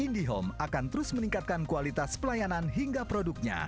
indihome akan terus meningkatkan kualitas pelayanan hingga produknya